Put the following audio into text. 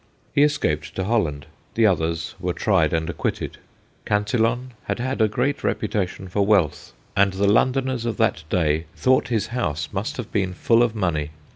He escaped to Holland : the others were tried and acquitted. Cantillon had had a great ON A MAY MORNING 253 reputation for wealth, and the Londoners of that day thought his house must have been full of money.